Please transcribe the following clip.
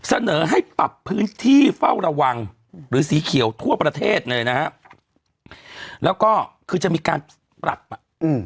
เสนอให้ปรับพื้นที่เฝ้าระวังหรือสีเขียวทั่วประเทศเลยนะฮะแล้วก็คือจะมีการปรับอ่ะอืม